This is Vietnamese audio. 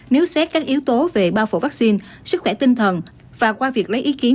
nếu xét các yếu tố về bao phủ vaccine sức khỏe tinh thần và qua việc lấy ý kiến